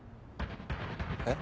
えっ？